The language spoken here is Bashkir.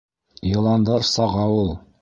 Йыландар саға ул...